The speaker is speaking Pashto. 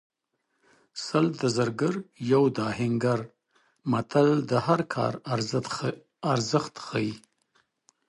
سل د زرګر یو د ګګر متل د ماهر کار ارزښت ښيي